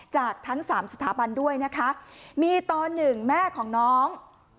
จากทั้งสามสถาบันด้วยนะคะมีตอนหนึ่งแม่ของน้อง